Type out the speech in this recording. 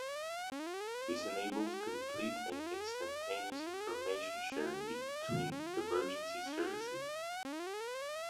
This enables complete and instantaneous information sharing between emergency services.